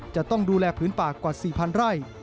จะต้องดูแลผืนป่ากว่า๔๐๐ไร่